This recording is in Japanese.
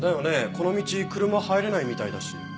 この道車入れないみたいだし。